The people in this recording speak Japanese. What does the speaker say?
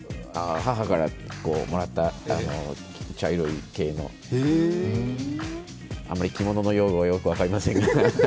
母からもらった茶色い系の、あまり着物の用語はよく分かりませんが。